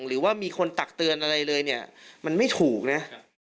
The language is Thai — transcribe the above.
หรือว่ามีคนตักเตือนอะไรเลยเนี่ยมันไม่ถูกนะ